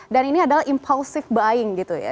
dan ini adalah impulsif buying gitu ya